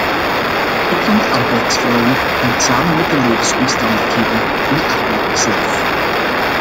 Het lot van de arbeidersvrouwen hangt samen met de levensomstandigheden van de arbeiders zelf.